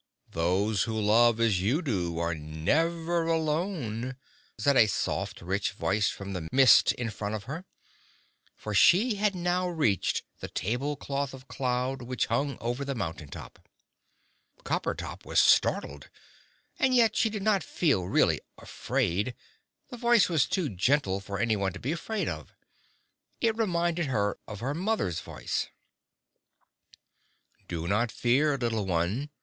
"Those who love as you do are never alone," said a soft rich voice from the mist in front of her. For she had now reached the tablecloth of cloud which hung over the mountain top. Coppertop was startled. And yet she did not feel really afraid the voice was too gentle for anyone to be afraid of. It reminded her of her mother's voice. "Do not fear, little one!"